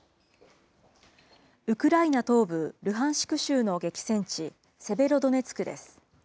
ウクライナ東部ルハンシク州の激戦地、セベロドネツクです。